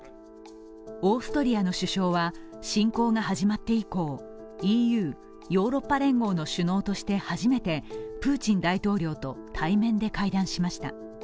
オーストリアの首相は侵攻が始まって以降、ＥＵ＝ヨーロッパ連合の首脳として初めてプーチン大統領と対面で会談しました。